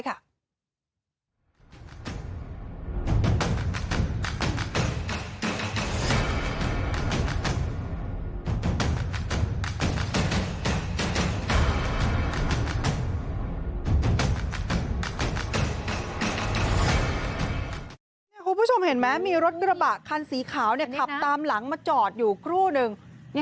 คุณผู้ชมเห็นไหมมีรถกระบะคันสีขาวขับตามหลังมาจอดอยู่ครู่นึง